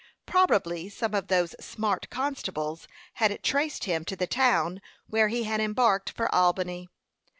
Probably some of those smart constables had traced him to the town where he had embarked for Albany.